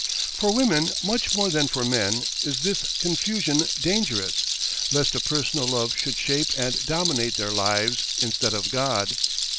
For women much more than for men is this confusion dangerous, lest a personal love should shape and dominate their lives instead of God.